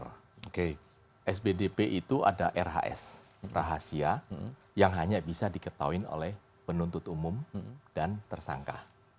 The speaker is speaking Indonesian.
oke sbdp itu ada rhs rahasia yang hanya bisa diketahui oleh penuntut umum dan tersangka